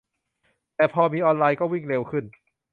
แต่พอมีออนไลน์ก็วิ่งเร็วขึ้น